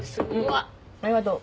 ありがとう。